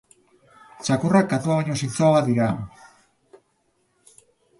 txakurrak katuak baino zintzoagoak dira